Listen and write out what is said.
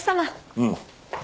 うん。